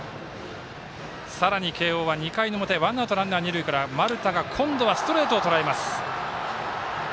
さらに慶応は２回の表ワンアウト、ランナー、二塁から丸田が今度はストレートをとらえます。